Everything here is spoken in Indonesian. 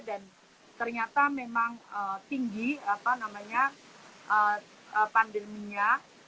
dan ternyata memang tinggi pandeminya